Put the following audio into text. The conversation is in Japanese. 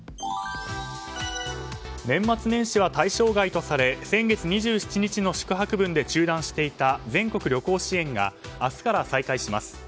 年末年始は対象外とされ先月２７日の宿泊分で中断していた全国旅行支援が明日から再開します。